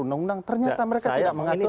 undang undang ternyata mereka tidak mengatur